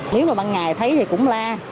nếu mà bằng ngày thấy thì cũng la